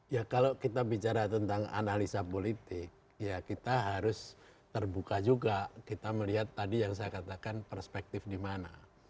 ya kalau kita bicara tentang analisa politik ya kita harus terbuka juga kita melihat tadi yang saya katakan perspektif di mana